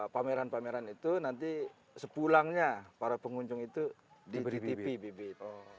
pameran pameran itu nanti sepulangnya para pengunjung itu dititipi bibit